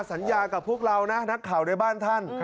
สัญญากับพวกเรานะนักข่าวในบ้านท่าน